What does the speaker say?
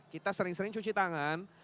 kita sering sering cuci tangan